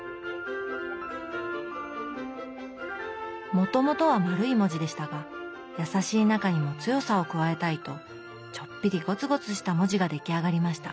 もともとは丸い文字でしたが優しい中にも強さを加えたいとちょっぴりゴツゴツした文字が出来上がりました。